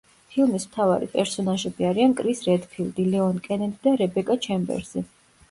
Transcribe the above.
ფილმის მთავარი პერსონაჟები არიან კრის რედფილდი, ლეონ კენედი და რებეკა ჩემბერზი.